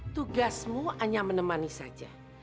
tugasmu hanya menemani saja